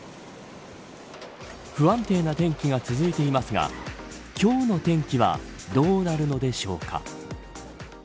不安定な天気が続いていますが今日の天気はどうなるのでしょうか。